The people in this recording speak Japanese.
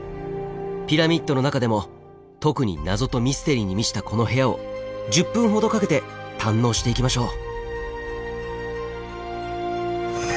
ピラミッドの中でも特に謎とミステリーに満ちたこの部屋を１０分ほどかけて堪能していきましょう。